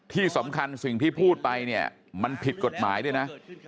สิ่งที่พูดไปเนี่ยมันผิดกฎหมายด้วยนะ